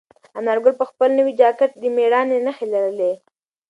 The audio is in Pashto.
انارګل په خپل نوي جاکټ کې د مېړانې نښې لرلې.